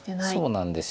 そうなんです。